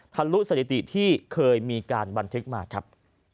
ทะลุสถิติที่เคยมีการบันทึกมาครับ